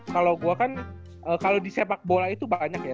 kalo gua kan disepak bola itu banyak ya